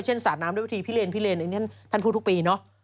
เช่นสระน้ำด้วยวิธีพิเรนอันนี้ท่านพูดทุกปีเนาะ